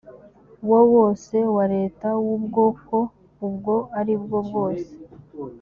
wo wose wa leta w ubwoko ubwo ari bwobwose